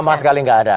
sama sekali gak ada